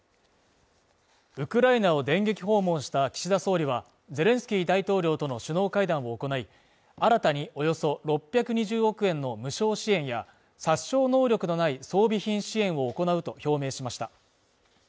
ウクライナを電撃訪問した岸田総理は、ゼレンスキー大統領との首脳会談を行い新たにおよそ６２０億円の無償支援や、殺傷能力のない装備品支援を行うと表明しました。